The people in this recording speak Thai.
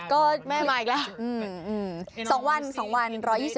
แล้วครั้งนี้แม่มาอีกแล้ว